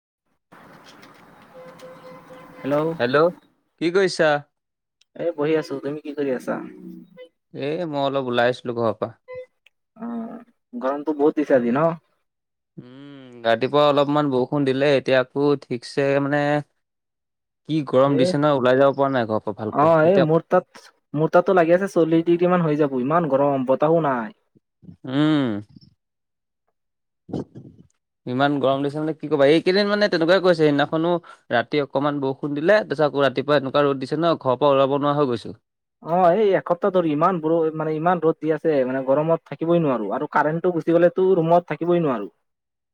[unintelligible] Hello কি কৰিছা? এ বহি আছো, তুমি কি কৰি আছা? এ মই অলপ ওলাই আছিলো ঘৰৰ পৰা। অ [unintelligible] উম ৰাতি পোৱা অলপমান বৰষুণ দিলে এতিয়া আকৌ ঠিকছে মানে কি গৰম এ দিছে নহয় ওলাই যাব পৰা নাই ঘৰৰ পৰা অ, ভালকৈ এই এতিয়া মোৰ তাত মোৰ তাতো লাগি আছে চলি দি কিমান হৈ যাব ইমান গৰম [unintelligible] উম। ইমান গৰম দিছে মানে কি ক'বা এইকেইদিন মানে তেনেকুৱাই কৈছে সেইদিনাখনো ৰাতি অকনমান বৰষুণ দিলে [unintelligible] আকৌ ৰাতি পুৱা এনেকোৱা ৰদ দিছে নহয় ঘৰৰ পৰা ওলাব নোৱাৰা হৈ গৈছো। অ' এই এসপ্তাহ ধৰি ইমান বৰো মানে ইমান ৰ'দ দি আছে মানে গৰমত থাকিবই নোৱাৰো আৰু কাৰেণ্টটো গুচি গ'লে তো ৰুমত থাকিবই নোৱাৰো।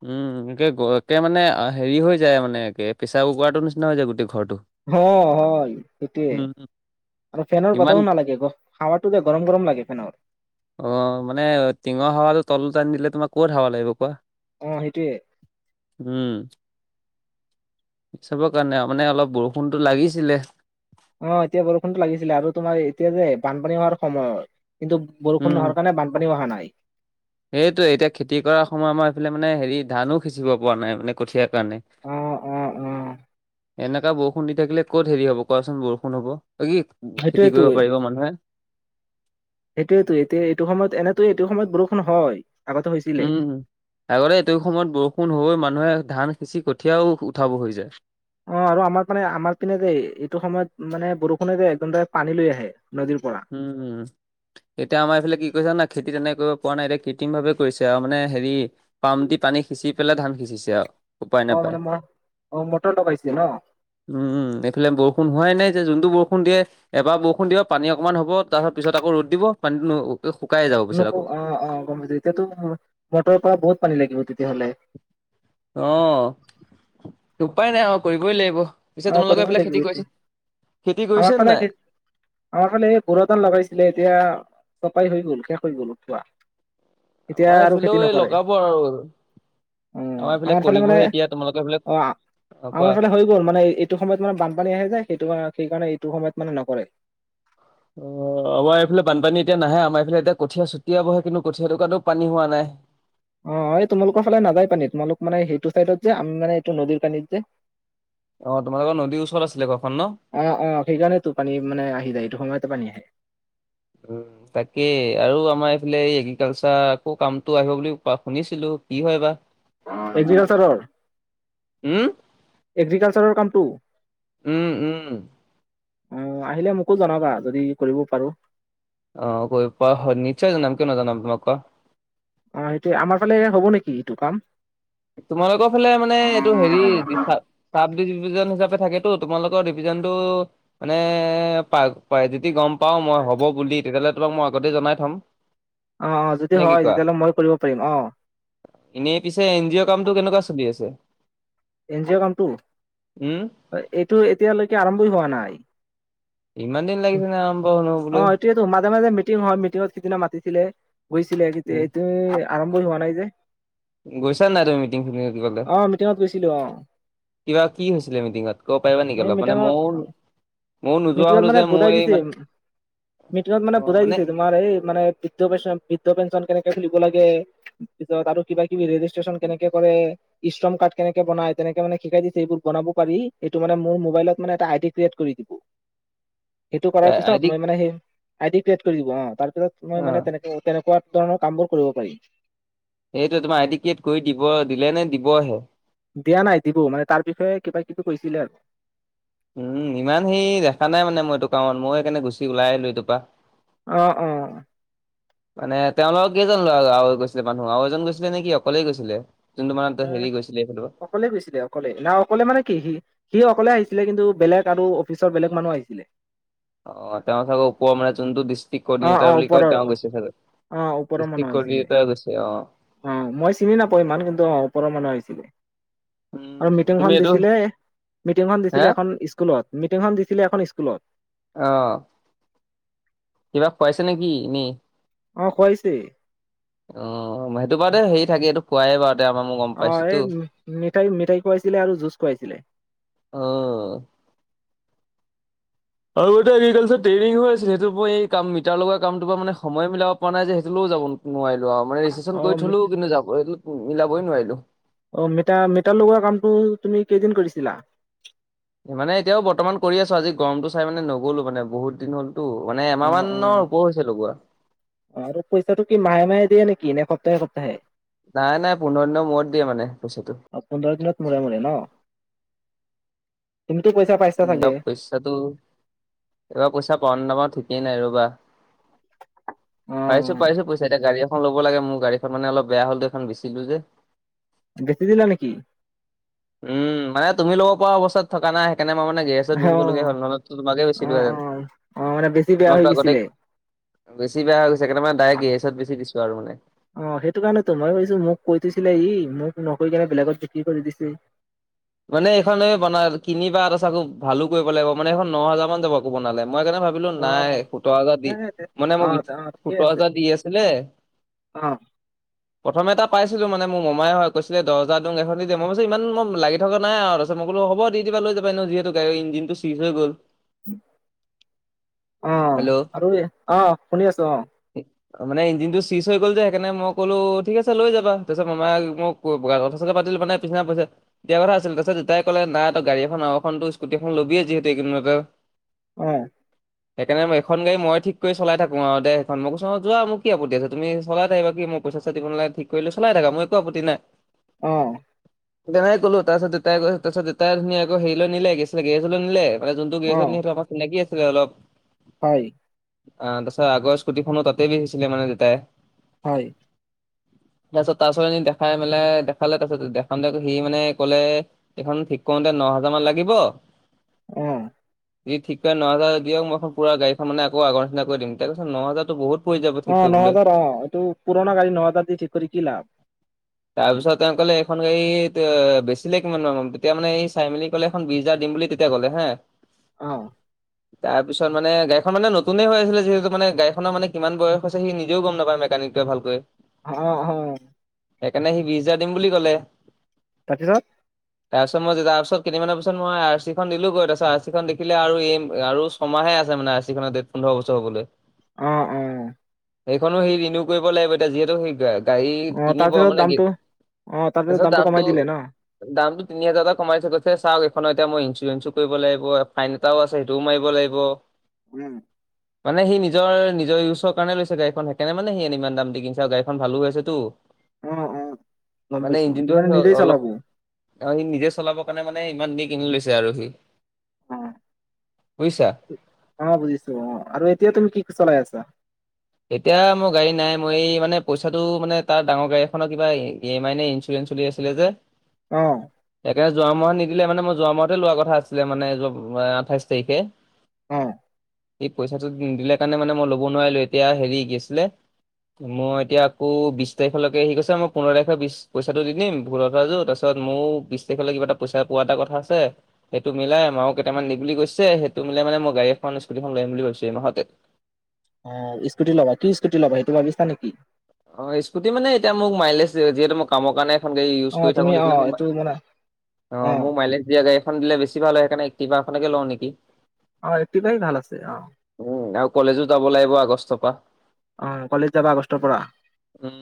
উম [unintelligible] একে মানে হেৰি হৈ যায়, মানে একে প্ৰেচাৰ কুকাৰটোৰ নিচিনা হৈ যায় গোটেই ঘৰটো। হ হয় সেইটোৱে। উম উম, আৰু ফেনৰ ইমান বতাও নালাগে গহ হাৱাটো যে গৰম গৰম লাগে ফেনৰ। অ'মানে টিঙৰ হাৱাটো তলত আনি দিলে তোমাৰ ক'ত হাৱা লাগিব কোৱা। অ' সেইটোৱে। চবৰ কাৰণে আৰু মানে অলপ বৰষুণতটো লাগিছিলে। অ, এতিয়া বৰষুণতো লাগিছিলে আৰু তোমাৰ এতিয়া যে বানপানী হোৱাৰ সময়ত। কিন্তু বৰষুণ উম নোহোৱাৰ কাৰণে বানপানী অহা নাই। সেইটোয়ে এতিয়া খেতি কৰা সময়ত আমাৰ এইফালে মানে হেৰি ধানো সিঁচিব পৰা নাই মানে কঠিয়াত ণে অ অ অ এনেকা বৰষুণ দি থাকিলে ক'ত হেৰি হব কোৱাচোন বৰষুণ হ'ব। কি খেতি কৰিব পাৰিব মানুহে। সেইটোৱেতো এতিয়া এইটো সময়ত এনেতো এইটো সময়ত বৰষুণ হয়। আগতে হৈছিলে উম আগতে এইটো সময়ত বৰষুণ হৈ মানুহে ধান বেছি কঠীয়াও উঠাব হৈ যায়। অ' আৰু আমাৰ পানে আমাৰ পিনে যে এইটো সময়ত মানে বৰষুণে যে একদম পানী লৈ আহে। নদীৰ পৰা উম এতিয়া আমাৰ এইফালে কি কৰিছে জানা খেতি কেনেক কৰিব পোৱা নাই এতিয়া কৃত্ৰিম ভাৱে কৰিছে আৰু মানে হেৰি পাম দি পানী সিঁচি পেলাই ধান সিঁচিছে আৰু উপায় অ নাপায় মানে মই অ মটৰ লগাইছিলে ন উম এইফালে বৰষুণ হোৱাই নাই। যোনটো বৰষুণ দিয়ে এবাৰ বৰষুণ দিলে পানী অকনমান হ'ব তাৰ পিছত আকৌ ৰ'দ দিব পানীতো [unintelligible] নোকো অ অ গম পাইছো এতিয়াতো মটৰৰ পৰা বহুত পানী লাগিব তে অ' উপায় নাই অ', কৰিবই লাগিব। পিছে অ তোমালোকৰ কৰিবই এইফালে খেতি লাগিব এটো। কৰিছে খেতি আমাৰ কৰিছে নে নাই? ফালে, আমাৰ ফালে এই বৰোদান লগাইছিলে এতিয়া চপাই হৈ গলেষ [inaudible] হৈ গ'ল উঠোৱা এতিয়া আমাৰ আৰু এইফালেও খেতি নকৰে। লগাব আৰু উ, এইফালে আমাৰ ফালে মানে কৰিবহে এতিয়া তোমালোকৰ এইফালে অ অ কোৱা। আমাৰ ফালে হৈ গ'ল মানে এইটো সময়ত মানে বানপানী আহে যে সেইটো কাৰ সেইকাৰণে এইটো সময়ত মানে নকৰে। অ আমাৰ এইফালে বানপানী এতিয়া নাহে আমাৰ এইফালে এতিয়া কঠিয়ীয়া চুটিয়াবহে কিন্তু কঠীয়া ধোকাওতেও পানী হোৱা নাই। অ 'এই তোমালোকৰ ফালে নাযায় পানী। তোমালোক মানে সেইটো চাইডত যে আমি মানে এইটো নদীৰ পানীত যে অ' তোমালোক নদী ওচৰত। আছিলে ঘৰখন ন? অ' অ' সেইকাৰণেতো পানী মানে আহি যায় এইটো সময়তে পানী আহে। উম, তাকেই আৰু আমাৰ এইফালে এই এগ্ৰিকালচাৰ আকৌ কামটো আহিব বুলি কোৱা শুনিছিলো। কি হয় বা এগ্ৰিকালচাৰৰ উম? এগ্ৰিকালচাৰৰ কামটো উম, উম। অ আহিলে মোকো জনাবা। যদি কৰিব পাৰো। অ প নিচ্ছয় জানাম কিয় নজনাম কোৱা। অ, সেইটো আমাৰ ফালে হ'ব নেকি এইটো কাম। তোমালোকৰ ফালে মানে এইটো হেৰি চাপ দি হিচাপে থাকেতো তোমালোকৰ ডিভিজন টো মানে প যদি গম পাও মই হ'ব বুলি তেতিয়াহ'লে তোমাক মই আগতে জনাই থম। অ অ যদি নে কি হয় কোৱাহে? তেতিয়াহ'লে মই কৰিব পাৰিম অ এনেই পিছে এন জি অ' কনটো কেনেকুৱা চলি আছে। এন জি অ' কামটো উম, এইটো এতিয়ালৈকে আৰম্ভই হোৱা নাই। ইমান দিন লাগিছে নে আৰম্ভ অ হবলৈ। এইটোয়েতো মাজে মাজে মিটিং হয় মিটিঙত সিদিনা মাতিছিলে। গৈছিলে উম, এইটো আৰম্ভই হোৱা নাই যে। গৈছা নে নাই তুমি মিটিং শুনিবলৈ অ মিটিঙত গৈছিলো অ কিবা কি হৈছিলে। মিটিঙত কব পাৰিবা নেকি এই অলপ। মানে মিটিঙত মৌ ময়ো নোযোৱা মিটিঙত হলো মানে যে বুজাই মই এই দিছে মানে মিটিঙত মানে বুজাই দিছে। তোমাৰ এই মানে বৃদ্ধ পেঞ্চন বৃদ্ধ পেঞ্চন কেনেক খোলিব লাগে কি কয় আৰু কিবাকিবি ৰেজিষ্ট্ৰেচন কেনেকে কৰে কেনেকে বনাই তেনেকে মানে শিকাই দিছে কেনেকে বনাই। এইবোৰ বনাব পাৰি সটো মানে মোৰ মোবাইলত মানে এটা আইডি ক্ৰিয়েট কৰি দিব [inaudible] সেইটো কৰাৰ আই ডি পিছত মই মানে সেই আইডি ক্ৰিয়েট কৰি দিব অ তাৰ পিছত মই অ'। মানে তেনেক তেনেকুৱা ধৰণৰ কামবোৰ কৰিব পাৰি। এইটো তোমাৰ আইডি কেড কৰি দিব দিলে নে দিবহে। দিয়া নাই দিবু মানে তাৰ বিষয়ে কিবা কিবি কৈছিলে আৰু উম ইমান সেই দেখা নাই মানে মই এইটো কাৰণত মই সেইকাৰণে গুচি ওলাই আহিলো এইটোৰপা আহ অ মানে তেওঁলোকৰ কেইজন ল'ৰা গৈছিলে মানুহৱ এজন গৈছিলে নেকি অকলেই গৈছিলে। যোনটো মানে এ হেৰি গৈছিলে এইফালৰ পৰা অকলে গৈছিলে অকলে না অকলে মানে কি সি সি অকলে আহিছিল। ছিলে কিন্তু বেলেগ আৰু অফিচৰ বেলেগ মানুহ আহিছিলে। অ' তেওঁ চাগে ওপৰৰ মানে যোনটো ডিষ্ট্ৰিক অ অ কৰ্ডিনেটাৰ বুলি কয়' ওপৰৰ তেওঁ গৈছে চাগে। অ ওপৰৰ মানুহ ডিষ্ট্ৰিক্ট আহিছিলে কৰিটা গৈছে অ' অ' মই চিনি নাপাওঁ ইমান কিন্তু অ' ওপৰৰ মানুহ আহিছিলে। আৰু উম তুমি মিটিংখন এইটো দিছিলে মিটিংখন হে দিছিলে এখন স্কুলত মিটিংখন দিছিলে এখন স্কুলত। আহ কিবা পাইছে নেকি? এনেই। অ' খুৱাইছে। অ' সেইটো বাৰু বাদেই হেৰি থাকে এইটো খোৱাইে বাৰু অ' এই মিঠাই মিঠাই খোৱাইছিলে। আৰু জুজ খোৱাইছিলে। আহ আৰু এগ্ৰিকালাৰ ট্ৰেইং হৈ আছিল সেইটো এই ক মিটাৰ লগ কামটো পৰা মানে সময় মিলাব পৰা নাই যে সেইটো যাব নোৱাৰিলো আৰু মানে জন অ কৰি থলোও কিন্তু যাব মিলাবই নোৱাৰিলো অ ম মিটাৰ লগোৱা কামটো তুমি কেইদিন কৰিছিলা মানে এতিয়াও বৰ্তমান কৰি আছো আজি গৰমটো চাই মানে নগ'লো মানে বহুত দিন হ'ল টো মানে অ এমাহ মানৰ ওপৰ হৈছে লগোৱা অ আৰু পইচাটো কি মাহে মাহে দিয়ে নেকি এনে কতহে কতাহে নাই নাই পোন্ধৰ দিনৰ মূৰত দিয়ে মানে পইচাটো হেলল তুমিতো পইচা পাইছা উম, চাগে এইবাৰ পইচাটো এইবাৰ পইচা পন নামৰ ঠিকেই নাই ৰবা অ পাইছো পাইছো পইচা এতিটা গাড়ী এখন ল'ব লাগে মোৰ গাড়ীখন মানে অলপ বেয়া হ'লো এই এখন বেচছিলো যে বেচি দিল নেকি উম মানে তুমি লগৰ পৰা অৱস্থাত থকা নাই সনে মানে অ গেহছতুচিবলগ হ নহলে তোমাকে বেছি অ পা অ যেন অ মানে বেছি বেয়া হৈ তোমাকতো আগতে গৈছিলে বেছি বেয়া হৈ গৈছেণে মে ডাইক্হেচত বেছি দিছো আৰু মানে অ সেইটো কাৰণ তো মই ভাবিছো মোক কৈ দিৈছিলে ই মোক নকৰি কিনে বেলেগত বিক্ৰী কৰি দিছে মানে এইখনে বনাই কিনিবা আৰু চ ভালো কৰিব লাগিব মানে এইখন ন হাজাৰ মান যাব আকৌ বনালে মই কাৰণে ভাবিলো অ নাই সোতৰ হাজাৰ দি মানে অ মই অ ঠিকে সোতৰ আছে হাজাৰ দি আছিলে অ প্ৰথমে এটা পাইছিলো মানে মোৰ মমাই হয় কৈছিলে দহ হাজাৰ দং এখনিয় মই পৈছো ইমান ম লাগে থকা নাই আৰু ত মইো হ' দি দিবা ল যা নো যিহু় ইঞ্জিনটো চই হৈ গ'ল আহ হেল্ল' আৰু আহ শুনি আছো আহ অ মানে ইঞ্িন টো চুইচ হৈ গল যে সেইকাৰণে মই কলো ঠিক আছে লৈ যা তাৰপিছত মাই মোক বনাই পিছনা পইছো এতিয়া কথা আছিল তাৰপিতউাই কলে নাই তই গাড়ী এখন আৰুখনত স্কটি এখন ল'বিে যিহেতু কিলোমতে উম সেইকাৰণেই এখন গাড় মই িক কৰি চাই থাকো আৰু দেেইখন মোকোচ যোৱা মোৰ কি আপতি আছে তুমি চলাই থাকিবা কি মইচাতি নালাগ িক কৰিলেো চাই থাক মই একো আপত্ত নাই আহ নোই কলো তাৰপিছতাই ত পাছতাই ধুন আকৌেৰিলৈ নিলে গেজলৈ নিলে মানে যোনটো অ গছ নিে আমাক চ লাগি আছিলে অলপ হয় অ তাৰিছত আগৰ স্কুটিখনো তাতেই হৈছিলে মানে দেতাই হয় তাৰপিছত তাৰ পিছত এনে দেখাই মেলাই দেখালে তাৰপিছত দেখা দে সি মানে কলে এইখন ঠিক কৰোতে ন হাজাৰ মান লাগিব উম যদি ঠিক কৰে ন হাজাৰ দিয়ক মইখন পৰা গাড়ীখন মানে আৌ আগৰ নিিনা কৰি দি তাৰিছ ন হাজাৰো বহুত পৰি যাব ঠিক অ কৰিবলৈ নজাৰ অ এইটো পুৰণা গাড়ী নহজাৰ দি ঠিক কৰি কি লাভ তাৰপিছত তেওঁ কলে এইখন গাড়ী বেছিলে কিমান তেতিয়া মানে এই চাই মেলি ক'লে এখন বি হাজাৰ দিম বুলি তেতিয়া ক'লে হা আহ তাৰপিছত মানে গাইখন মানেতুনে হৈ আছিলে যিহেতু মানে গাইখনৰ মান কিমান বয়স হৈছে সি নিজেও গম নাপায় মে া ভালকৈ আহ অ সেইকাৰণে সি বিছ হজাৰ দিম বুলি কলে তাৰপিছত তাৰপিছত মই তাৰ পিছত তি মমান পিছ মই আৰ চিখন দিলোগৈ তাৰপাছত আৰ চিখন দেখিলে আৰু এই আৰু ছমাহে আছে মানে আিখত দে পোধৰ বছৰ হ'বলৈ আহ উম। সেইখনো সেই ৰিণউ কৰিব লাগিব এতিয়া যিহেতু সেই গাড়ীত অ কিনিব তাৰপিছত মানে কি, দামটো অ তাৰপিছত দামটো কমাই দামতটো দিলে ন দামটো তিনি হাজাৰৰটা কমাই থছে গৈছেল চওক এইখন এতিয়া মই ইঞ্চুৰেঞ্চো কৰিব লাগিব, ফাইন এটাও আছে সেইটোও মাৰিব লাগিব। উম। মানে সি নিজৰ নিজৰ ইউজৰ কাৰণ লৈছে গাড়ীখন, সেইকৰণে মানে সি ইমান দাম দি কিনছে আৰু গাড়ীখন ভালো আ পাইছেটো। অ অ গম পাইছো সি মানে নিজেই চলাব। অ সি নিজে চলাবৰ কাৰণে মানে ইমান দি কিনি লৈছে আৰু সি। অ বুজিছা। অ বুজিছো অ, আৰু এতিয়া তুমি কি চলাই আছা? [unintelligible] এতিয়া মোৰ গাড়ী নাই, মই এই মানে পইচাটো মানে তাৰ ডাঙৰ গাড়ীখনৰ কিবা ইএমআই ন চলি আছিলে যে। অহ। সেইকাৰণে যোৱা মাহত নিদিলে মানে মই যোৱা মাহতে লোৱা কথা আছিলে মানে ৱা আঠাইছ তাৰিখে। আহ। সেই পইচাটো দিলে কাৰণে মানে মই ল'ব নোৱাৰিলো, এতিয়া হেৰি কি আছিলে মই এতিয়া আকৌ বিশ তাৰিখলৈকে সি কৈছ মই পোন্ধৰ তাৰিখৰ বিশ পইচাটো দি দিম [unintelligible] তাৰপিছত মোৰ বিশ তাৰিখলৈ কিবা এটা পইচা পোৱা এটা কথা আছে সেইটো মিলাই মায়ও কেইটামান দি বুলি গৈছে, সেইটো মই মানে মই গাড়ী এখন স্কুটিখন লৈ আহিম বুলি আছো ইমাহতে। অ স্কুটি ল'বা, কি স্কুটি লবা সেইটো ভাবিছা নেকি? অ স্কুটি মানে এতিয়া মোক মাইলেজ যিহেতু মই কামৰ কাৰণে খন গড়ী ইউছ অ', কৰি থাকো তুমি অ', এইটো মানে [unintelligible] অ মোক মাইলেচ দিয়া গড়ী দিলে বেছি হয় সেইকাৰণে কিবাখননেকে লওঁ নেকি। অ একটাই ভাল আছে আহ। উ আৰু কলেজো যাব লাগিব আগষ্টৰ পৰা। অ কালেজ যাব আ উম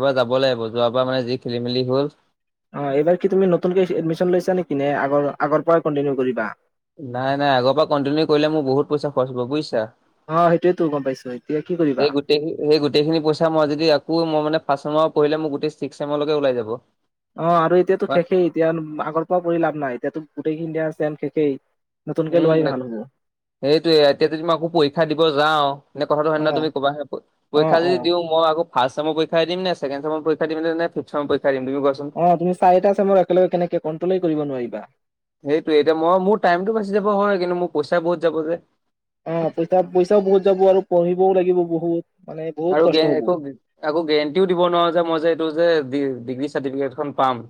এইবাৰ যাব লাগিব যোৱাৰ পৰা মানে যি খেলি মেলি হ'ল। অ এইবাৰ কি তুমি নতুনকে এডমিশন লৈছা নেকি নে আগ আগৰ পৰাই কণ্টিনিউ কৰিবা। নাই নাই আগৰ পৰা কণ্টিনিউ কৰিলে মোৰ বহুত পইচা খৰচ হ'ব বুজিছা। অ', সেইটোয়েতো গম পাইছো, এতিয়া কি কৰিবা? সেই গোটেইখিনি সেই গোটেইখিনি পইচা মই যদি আকৌ মই মানে ফাচচেমৰ কৰিলে মোক গোটেই চিক্স চমৰলৈকে ওলাই যাব। অ আৰু এতিয়াতো শেষেই এতিয়া আগৰ পৰা পৰিলাভ নাই, এতিয়াতো গোটেইখিনি ছেম শেষেই। নতুনকে লোৱাই ভাল হ'ব। সেইটয়ে এতিয়া যদি মই আকৌ পৰীক্ষা দিব যাওঁ, এনে কথাটো হয় নয় অ', তুমি ক'বা। পৰীক্ষা অ', যদি অ'। দিওঁ মই আকৌ ফাচ ছেমৰ পৰীক্ষা দিম নে, ছেকেন ছেমৰ পৰীক্ষা দিম, নে দিম তুমি কোৱাচোন? অ তুমি চাৰিটা ছেম একেলগে কেনেকে কণ্ট্ৰলেই কৰিব নোৱাৰিবা। সেইটোয়ে এতিয়া মই মোৰ টাইমতটো বাচি যাব হয়। কিন্তু মোৰ পইচা বহুত যাব যে। অ পইচা পইচাও বহুত যাব আৰু পঢ়িবও লাগিব বহুত। মানে বহুত আৰু গ কষ্ট হ'ব। একো একো গেৰেণ্টিও দিব নোৱাৰো যে মই যে এইটো যে দি ডিগ্ৰী চাৰ্টিফিকেটখন পাম।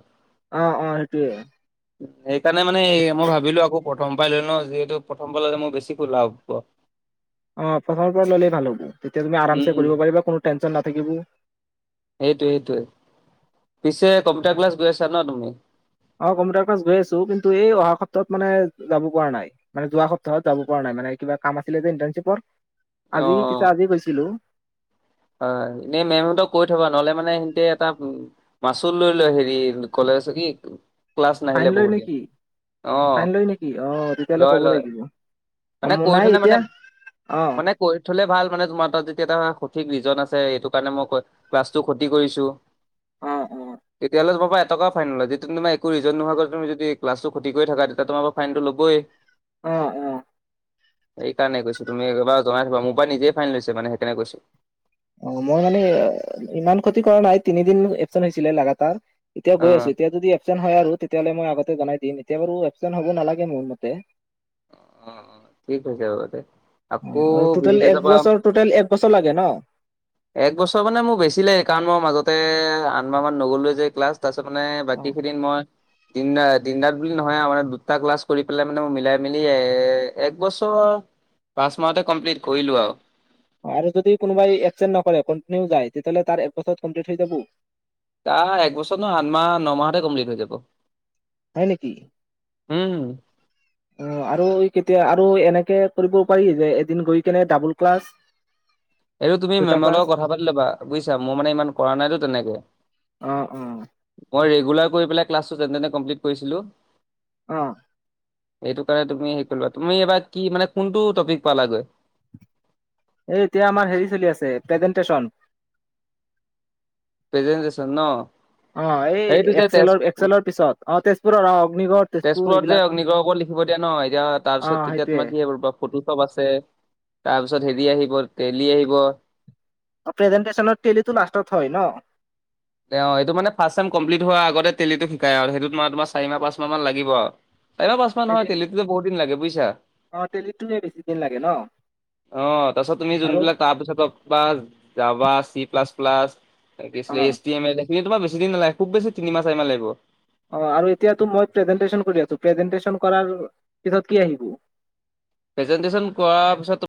অ অ সেইটয়ে। সেইকাৰণে মানে মই ভাবিলোঁ আকৌ প্ৰথম পৰাই লৈ ল যিহেতু প্ৰথম পৰা ললে মোৰ বেছিকৈ লাভ হব। অ প্ৰথমৰ পৰা ল'লেই ভাল হ'ব, তেতিয়া তুমি আৰাম চে উম কৰিব পাৰিবা কোনো টেনশ্যন নাথাকিব। সেইটো সেইটোৱে পিছে কম্পিউটাৰ ক্লাছ গৈ আছা ন তুমি? অ কম্পিউটাৰ ক্লাছ গৈ আছো। কিন্তু এই অহা সপ্তাহত মানে যাব পৰা নাই, মানে যোৱা সপ্তাহত যাব পৰা নাই। মানে কিবা কাম আছিলে যে ইণ্টাৰশিপৰ, অ আজি পিছে আজি গৈছিলো। হয়। এনে মেমহঁতক কৈ থবা নহলে মানে সহতে এটা উ মাচ লৈ লয় হেৰি কলে [inaudible] ক্লাছ ফাইন নাহিলে লয় বহুত দিন নেকি অ ফাইন লয় নেকি অ তেতিয়াহ'লে লয় ক'ব লয়। লাগিব অ মানে মোৰ কৰি নাই থলে মানে এতিয়া অ মানে কৰি থলে ভাল মানে তোমাৰ তাত যেতিয়া এটা ঠিক ৰিজন আছে এইটো কাৰণে মই ক ক্লাছটো ক্ষতি কৰিছো। অ অ তেতিয়ালৈ টকা ফাইন নলয় যদি তোমাৰ একো ৰিজন নোহোৱাকৈ তুমি যদি ক্লাছটো ক্ষতি কৰি থাকা তেতিয়া তোমাৰ পৰা ফাইনটো ল'বই। অ' অ'। সেইকাৰণে কৈছো তুমি একবাৰ জনাই থবা মোৰ পৰা নিজেই ফাইন হৈছে মানে সেইকাৰণে কৈছো। অ' মই মানে ইমান ক্ষতি কৰা নাই তিনিদিন এবচেণ্ট হৈছিলে লাগাতাৰ। এতিয়া অ গৈ আছো এতিয়া যদি এবচেণ্ট হয় আৰু তেতিয়াহলে মই মতে জনাই দিম এতিয়া বাৰু এবচেণ্ট হব নালাগে মোৰ মতে। অ'। কি কৰিছে বাবুটোয়ে অ', আকৌ আৰু টোটেল এক বছৰ টোটেল এক বছৰ লাগে [unintelligible] ন? এক বছৰ মানে মোৰ বেছি লাগে কাৰণ মই মাজতে আঠ মাহ মান নগলো যে ক্লাছ। তাৰপাছত মানে বাকী অ', কেইদিন মই [unintelligible] দিন ৰাত বুলি নহয় মানে দুটা ক্লাছ কৰি পেলাই মানে মিলাই মেলি এ এক বছৰ পাঁচ মাহতে কমপ্লিট কৰিলো আৰু। আৰু যদি কোনোবাই এবচেন্ট নকৰে কণ্টিনিউ যায় তেতিয়াহ'লে তাৰ এক বছৰত কমপ্লিট হৈ যাব। তা একবছৰ নহয় আঠ মাহ ন মাহতে কমপ্লিট হৈ যাব। হয় নেকি উম অ' আৰু কেতিয়া আৰু এনে কৰিব পাৰি যে এদিন গৈ কেনে ডাবুল ক্লাছ। এইটো তুমি দুটা মেমৰ ক্লাছ লগত কথা পাতি ল'বা বুজিছা মোৰ মানে ইমান কৰা নাইতো তেনেকে। উম। মই ৰেগুলাৰ কৰি পেলাই ক্লাছটো যেনে তেনে কমপ্লিট কৰিছিলোঁ। আহ। সেইটো কাৰণে তুমি হেৰি কৰিবা তুমি এইবাৰ কি মানে কোনটো টপিক পালাগৈ? এই এতিয়া আমাৰ হেৰি চলি আছে প্ৰেজেনটেচন। প্ৰেজেণ্টেছন ন। অ' এই সেইটো যে তেজ এক্সেলৰ এক্সেলৰ পিছত অ' তেজপুৰৰ আহ অগ্নিগড়। তেজপুৰ তেজপুৰত যে এইবিলাক অগ্নিগড়ৰ ওপৰত লিখিব দিয়া ন এতিয়া তাৰপিছত অ', তেতিয়া সেইটোৱে তোমাৰ কি [unintelligible] ফটো চপ আছে তাৰপিছত হেৰি আহিব তেলী আহিব। প্ৰেজেণ্টেছন টেলিটো লাষ্টত হয় ন? অ' এইটো মানে ফাৰ্ষ্ট চেম কমপ্লিট হোৱাৰ আগতে তেলীটো শিকায় আৰু সেইটো তোমাৰ চাৰি মাহ পাঁচ মাহ মান লাগিব আৰু। চাৰি মাহ পাঁচ মাহ নহয় টেলি তেলীটো বহুত দিন লাগে বুজিছা। অ', টেলিটোৱে বেছি দিন লাগে ন? অ' তাৰপিছত তুমি আৰু যোনবিলাক তাৰপিছত বা জাবা চি প্লাছ প্লাছ অ'। [unintelligible] [unintelligible] বেছি দিন নালাগে খুব বেছি তিনিমাহ চাৰি মাহ লাগিব। অ' আৰু এতিয়াতো মই প্ৰেজেন্টেচন কৰি আছো প্ৰেজেণ্টেছন কৰাৰ পিছত কি আহিব? প্ৰেজেণ্টেছন কৰাৰ পিছত